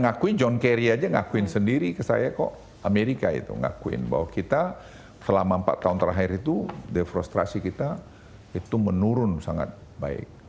ngakuin john kerry aja ngakuin sendiri ke saya kok amerika itu ngakuin bahwa kita selama empat tahun terakhir itu defrusasi kita itu menurun sangat baik